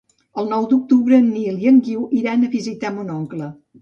El nou d'octubre en Nil i en Guiu iran a visitar mon oncle.